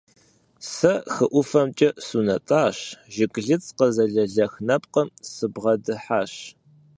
Сэ хы ӀуфэмкӀэ сунэтӀащ, жыглыц къызэлэлэх нэпкъым сыбгъэдыхьащ.